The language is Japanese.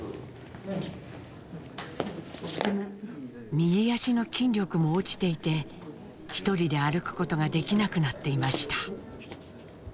右足の筋力も落ちていて一人で歩くことができなくなっていました。